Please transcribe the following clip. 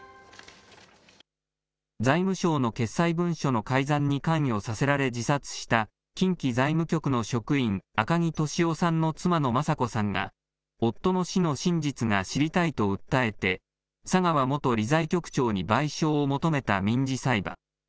財務省の決裁文書の改ざんに関与させられ自殺した近畿財務局の職員、赤木俊夫さんの妻の雅子さんが、夫の死の真実が知りたいと訴えて、佐川元理財局長に賠償を求めた民事裁判。